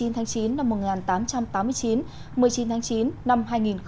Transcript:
một mươi tháng chín năm một nghìn tám trăm tám mươi chín một mươi chín tháng chín năm hai nghìn một mươi chín